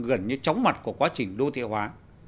gần như chóng mặt của quá trình đô thị hóa